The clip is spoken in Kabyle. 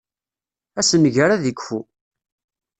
Assenger ad ikfu.